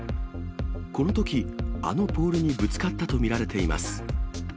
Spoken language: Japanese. このとき、あのポールにぶつかったと見られています。